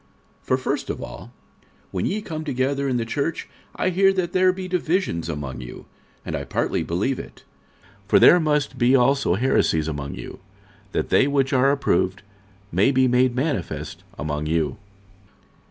46:011:018 For first of all, when ye come together in the church, I hear that there be divisions among you; and I partly believe it. 46:011:019 For there must be also heresies among you, that they which are approved may be made manifest among you.